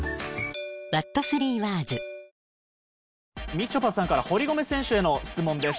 みちょぱさんから堀米選手への質問です。